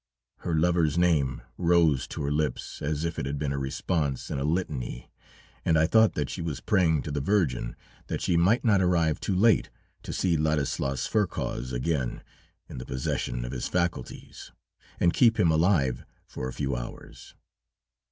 Her lover's name rose to her lips as if it had been a response in a litany, and I thought that she was praying to the Virgin that she might not arrive too late to see Ladislas Ferkoz again in the possession of his faculties, and keep him alive for a few hours.